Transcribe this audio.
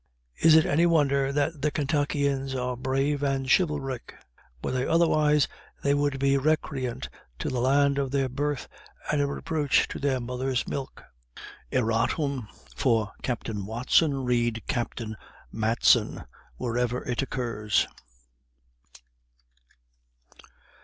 Is it any wonder that the Kentuckians are brave and chivalric? Were they otherwise, they would be recreant to the land of their birth, and a reproach to their mothers' milk." Erratum. For Captain Watson, read Captain Matson, wherever it occurs.